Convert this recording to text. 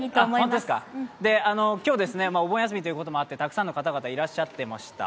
今日、お盆休みということもあってたくさんの方、いらっしゃっていました。